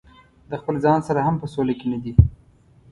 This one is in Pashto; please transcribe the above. د خپل ځان سره هم په سوله کې نه دي.